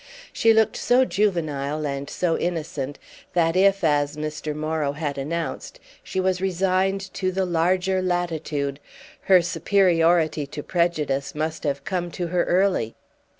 She looked so juvenile and so innocent that if, as Mr. Morrow had announced, she was resigned to the larger latitude, her superiority to prejudice must have come to her early.